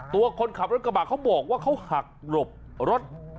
ตัวคนขับรถกระบะเขาบอกว่าเขาหักหลบรถ